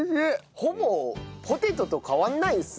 ほぼポテトと変わらないですね。